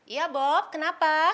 iya bob kenapa